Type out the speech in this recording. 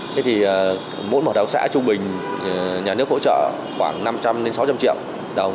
thế thì mỗi một hợp tác xã trung bình nhà nước hỗ trợ khoảng năm trăm linh sáu trăm linh triệu